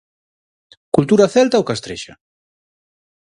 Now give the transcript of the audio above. Cultura celta ou castrexa?